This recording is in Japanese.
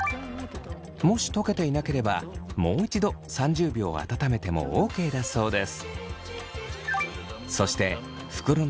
もし溶けていなければもう一度３０秒温めてもＯＫだそうです。